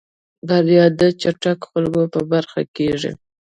بريا د چټکو خلکو په برخه کېږي.